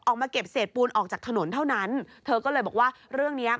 ออกมาเก็บเศษปูนออกจากถนนเท่านั้นเธอก็เลยบอกว่าเรื่องเนี้ย